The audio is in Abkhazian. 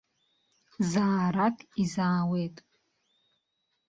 Заарак изаауеит.